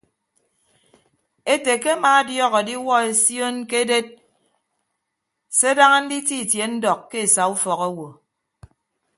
Ete ke amaadiọk adiwuọ esion ke eded se daña nditie itie ndọk ke esa ufọk owo.